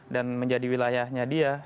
dan menjadi wilayahnya dia